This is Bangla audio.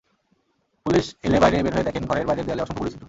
পুলিশ এলে বাইরে বের হয়ে দেখেন ঘরের বাইরের দেয়ালে অসংখ্য গুলির ছিদ্র।